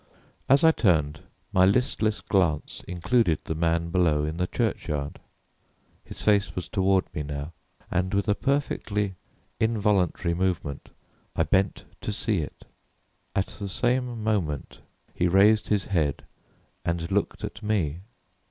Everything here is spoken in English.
As I turned, my listless glance included the man below in the churchyard. His face was toward me now, and with a perfectly involuntary movement I bent to see it. At the same moment he raised his head and looked at me.